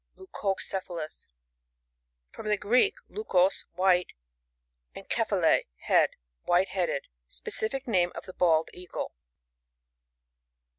Leucocephalus. — From the Greek, leukos^ white, and kephale, head. White headed. Specific name of the Bald Ea£rle.